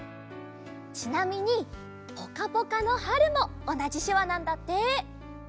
ちなみにぽかぽかのはるもおなじしゅわなんだって。